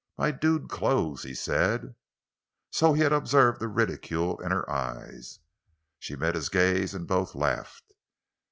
"My dude clothes," he said. So he had observed the ridicule in her eyes. She met his gaze, and both laughed.